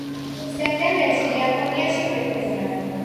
სექტემბერში იაპონიაში მივფრინავ.